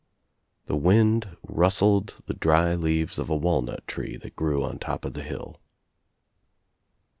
The wind rustled the dry leaves of a wal nut tree that grew on top of the hill.